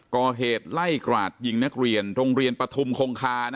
ก่อเหตุไล่กราดยิงนักเรียนโรงเรียนปฐุมคงคา